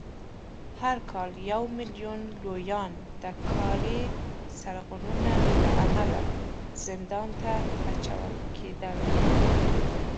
هر کال یو میلیون لویان د کاري سرغړونو له امله زندان ته اچول کېدل